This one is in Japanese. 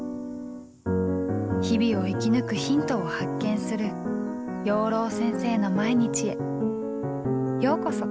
日々を生き抜くヒントを発見する養老先生の毎日へようこそ。